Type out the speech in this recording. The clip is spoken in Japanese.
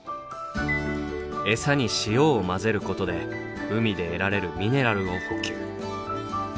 エサに塩を混ぜることで海で得られるミネラルを補給。